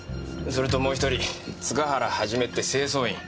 それともう１人塚原一って清掃員。